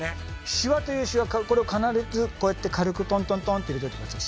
シワというシワこれを必ずこうやって軽くトントントンって入れちゃってください。